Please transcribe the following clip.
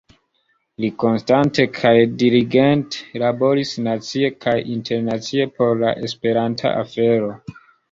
Li konstante kaj diligente laboris nacie kaj internacie por la esperanta afero.